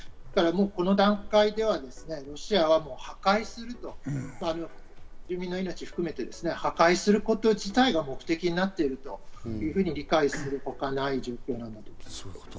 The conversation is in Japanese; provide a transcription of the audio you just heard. この段階ではロシアは破壊すると、住民の命を含めて破壊すること自体が目的になっているというふうに理解するほかない状況だと思います。